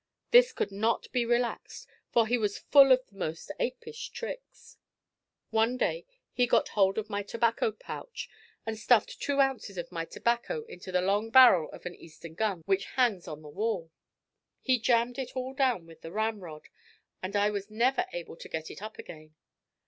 This could not be relaxed, for he was full of the most apish tricks. One day he got hold of my tobacco pouch, and stuffed two ounces of my tobacco into the long barrel of an Eastern gun which hangs on the wall. He jammed it all down with the ramrod, and I was never able to get it up again.